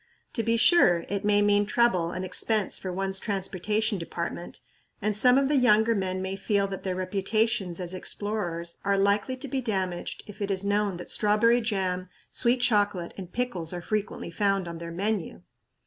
To be sure, it may mean trouble and expense for one's transportation department, and some of the younger men may feel that their reputations as explorers are likely to be damaged if it is known that strawberry jam, sweet chocolate and pickles are frequently found on their menu!